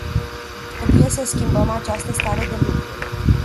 Trebuie să schimbăm această stare de lucruri.